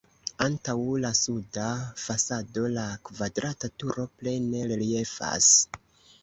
Antaŭ la suda fasado la kvadrata turo plene reliefas.